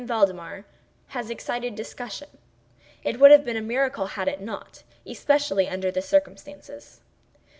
Valdemar has excited discussion. It would have been a miracle had it not—especially under the circumstances.